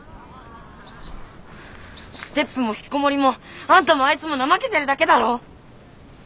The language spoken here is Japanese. ＳＴＥＰもひきこもりもあんたもあいつも怠けてるだけだろ！